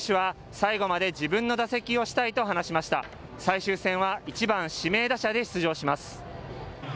最終戦は１番・指名打者で出場します。